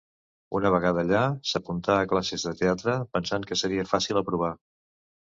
Una vegada allà, s'apuntà, a classes de teatre pensant que seria fàcil aprovar.